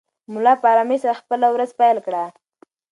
ملا په ارامۍ سره خپله ورځ پیل کړه.